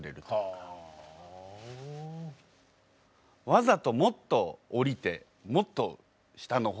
わざともっと降りてもっと下の方まで。